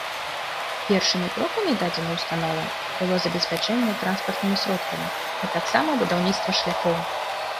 Першымі крокамі дадзенай установы было забеспячэнне транспартнымі сродкамі, а таксама будаўніцтва шляхоў.